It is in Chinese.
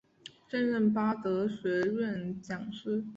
现任巴德学院讲师。